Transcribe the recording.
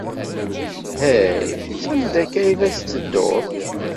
Hey, sanda akka ay la tettedduḍ?